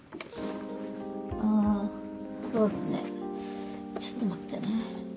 あそうだねちょっと待ってね。